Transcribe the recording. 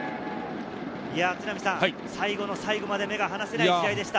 最後の最後まで目が離せない試合でした。